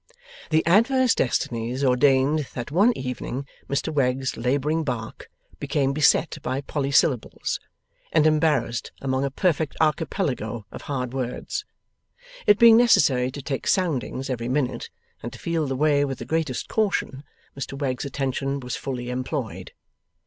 The adverse destinies ordained that one evening Mr Wegg's labouring bark became beset by polysyllables, and embarrassed among a perfect archipelago of hard words. It being necessary to take soundings every minute, and to feel the way with the greatest caution, Mr Wegg's attention was fully employed.